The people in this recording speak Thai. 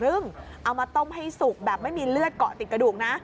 เอามาต้มให้สุกแบบไม่มีเลือดเกาะติดกระดูกนะ